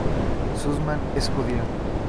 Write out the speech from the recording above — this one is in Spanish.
Sussman es judío.